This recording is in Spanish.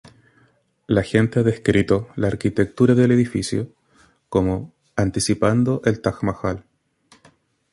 La gente ha descrito la arquitectura del edificio como "anticipando el Taj Mahal".